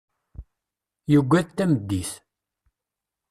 Yuggad tameddit.